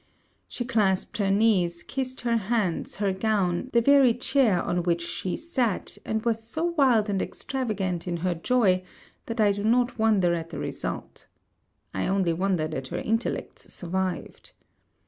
She clasped her knees, kissed her hands, her gown, the very chair on which she sat, and was so wild and extravagant in her joy, that I do not wonder at the result. I only wonder that her intellects survived.